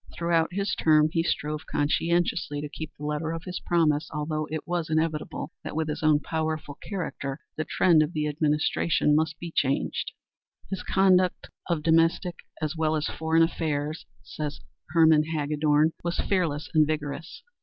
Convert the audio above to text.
Throughout his term he strove conscientiously to keep the letter of his promise, although it was inevitable that with his own powerful character the trend of the administration must be changed. "His conduct of domestic as well as foreign affairs," says Herman Hagedorn, "was fearless and vigorous.